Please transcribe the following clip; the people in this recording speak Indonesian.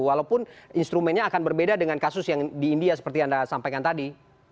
walaupun instrumennya akan berbeda dengan kasus yang di india seperti anda sampaikan tadi